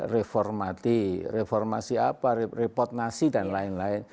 reformati reformasi apa report nasi dan lain lain